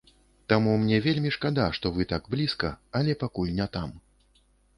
Таму мне вельмі шкада, што вы так блізка, але пакуль не там.